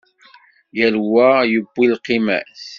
Yal wa yewwi lqima-s.